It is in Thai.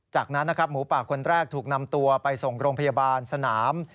จากนั้นนะครับหมูป่าคนแรกถูกนำตัวไปส่งโรงพยาบาลสนาม